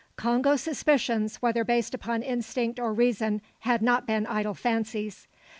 Congo's suspicions, whether based upon instinct or reason had not been idle fancies.